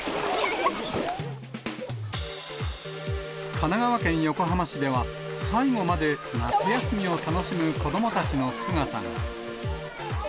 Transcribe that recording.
神奈川県横浜市では、最後まで夏休みを楽しむ子どもたちの姿が。